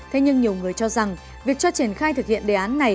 thế nhưng nhiều người cho rằng việc cho triển khai thực hiện đề án này